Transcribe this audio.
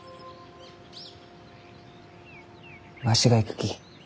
わしが行くき。